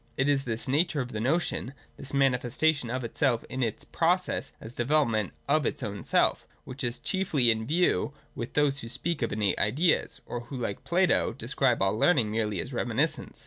It is this nature of the notion— thiajrTiaiuii£atatiQa.flf.)tafi]fja, its process as a deyeloprnent of its own self, — which is chiefly iTT view with those who speak of innate ideas, or who, like Plato, describe all learning merely as reminiscence.